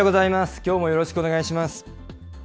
きょうもよろしくお願いします。